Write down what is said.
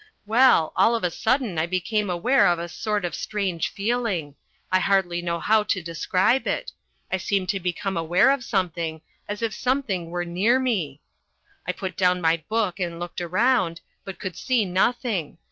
Well, all of a sudden I became aware of a sort of strange feeling I hardly know how to describe it I seemed to become aware of something, as if something were near me. I put down my book and looked around, but could see nothing.